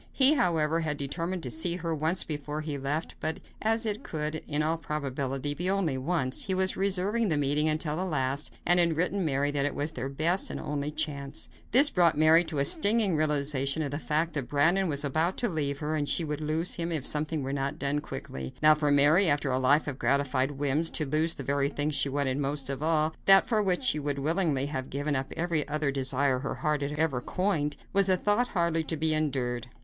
He, however, had determined to see her once more before he left, but as it could, in all probability, be only once, he was reserving the meeting until the last, and had written Mary that it was their best and only chance. This brought to Mary a stinging realization of the fact that Brandon was about to leave her and that she would lose him if something were not done quickly. Now for Mary, after a life of gratified whims, to lose the very thing she wanted most of all that for which she would willingly have given up every other desire her heart had ever coined was a thought hardly to be endured.